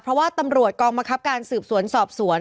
เพราะว่าตำรวจกองบังคับการสืบสวนสอบสวน